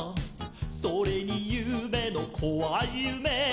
「それにゆうべのこわいゆめ」